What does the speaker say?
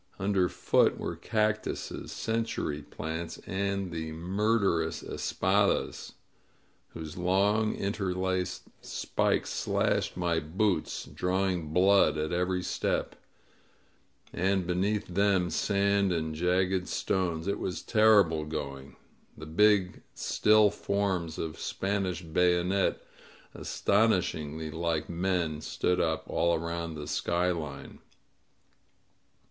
Underfoot were cactuses, century plants, and the murderous espadasy whose long, interlaced spikes slashed my boots, drawing blood at every step; and beneath them sand and jagged stones. It was terrible going. The big still forms of Spanish bayonet, astonishingly like men, stood up all around the skyline.